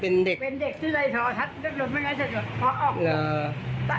เป็นเด็กซื้อใดท้อทัศน์เด็กรถไม่ไงเสร็จว่าพอออก